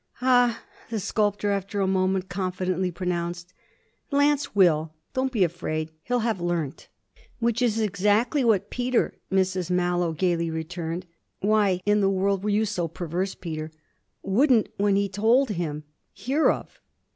'Ah,' the sculptor after a moment confidently pronounced, 'Lance will. Don't be afraid. He'll have learnt.' 'Which is exactly what Peter,' Mrs Mallow gaily returned 'why in the world were you so perverse, Peter? wouldn't, when he told him, hear of.'